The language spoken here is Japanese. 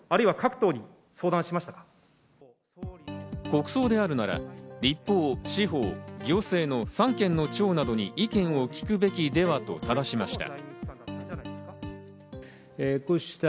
国葬であるなら立法・司法・行政の三権の長などに意見を聞くべきでは？と話しました。